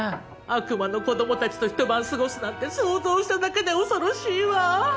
悪魔の子どもたちとひと晩過ごすなんて想像しただけで恐ろしいわあ。